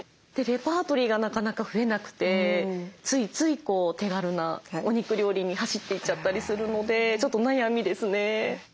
レパートリーがなかなか増えなくてついつい手軽なお肉料理に走っていっちゃったりするのでちょっと悩みですね。